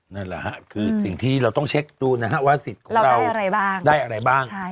นั่นแหละฮะคือสิ่งที่เราต้องเช็คดูนะฮะว่าสิทธิ์ของเราได้อะไรบ้าง